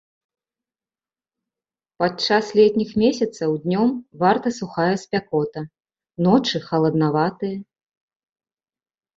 Падчас летніх месяцаў днём варта сухая спякота, ночы халаднаватыя.